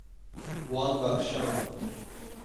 Wan bexşand.